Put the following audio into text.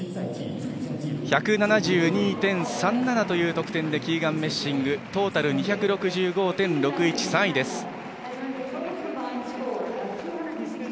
１７２．３７という得点でキーガン・メッシングトータル２５０．６１３位です。